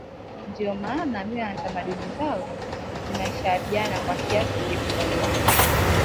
Ndio maana mila na tamaduni zao zinashabihiana kwa kiasi kikubwa